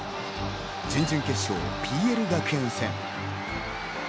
準々決勝ＰＬ学園戦。